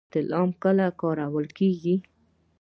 استعلام کله کارول کیږي؟